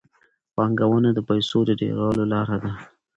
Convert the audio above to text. پانګونه د پیسو د ډېرولو لار ده.